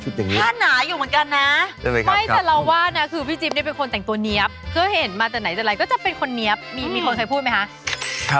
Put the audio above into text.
ผ้านี่ก็